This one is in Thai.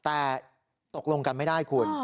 แต่ตกลงกันไม่ได้คุณ